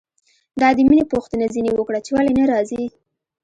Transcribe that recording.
ما د مينې پوښتنه ځنې وکړه چې ولې نه راځي.